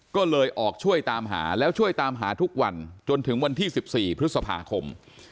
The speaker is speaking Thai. ก็เลยออกช่วยตามหาแล้วช่วยตามหาทุกวันจนถึงวันที่๑๔พฤษภาคม